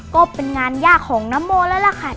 ก็เป็นงานยากของนโมแล้วล่ะค่ะ